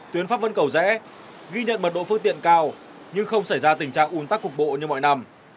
tuyến pháp vân cầu rẽ ghi nhận mật độ phương tiện cao nhưng không xảy ra tình trạng ủn tắc cục bộ như mọi năm